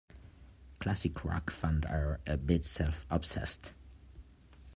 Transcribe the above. "Classic Rock" found her a bit self-obsessed.